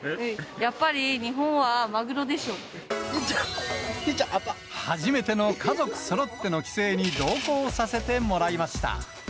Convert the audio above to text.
やっぱり日本はマグロでしょ初めての家族そろっての帰省に同行させてもらいました。